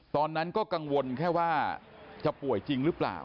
ตอนนั้นก็กังวลแค่ว่าจะป่วยจริงหรือเปล่า